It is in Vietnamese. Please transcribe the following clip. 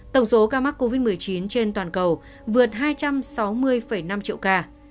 tổng số ca mắc covid một mươi chín trên toàn cầu vượt hai trăm sáu mươi năm triệu ca